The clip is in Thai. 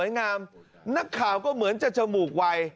นักข่าก็เหมือนจะจระบูกวัย